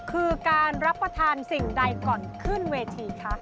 คือการรับประทานสิ่งใดก่อนขึ้นเวทีคะ